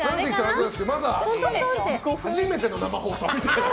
初めての生放送みたいな。